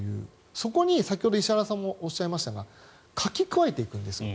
そこに先ほど石原さんもおっしゃいましたが書き加えていくんです。